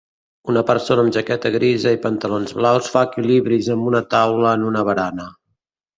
Una persona amb jaqueta grisa i pantalons blaus fa equilibris amb una taula en una barana